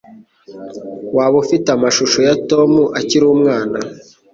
Waba ufite amashusho ya Tom akiri umwana?